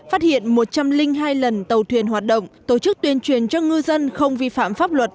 phát hiện một trăm linh hai lần tàu thuyền hoạt động tổ chức tuyên truyền cho ngư dân không vi phạm pháp luật